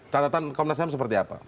catatan komnas ham seperti apa